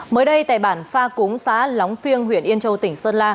mới đây tại bản pha cúng xã lóng phiêng huyện yên châu tỉnh sơn la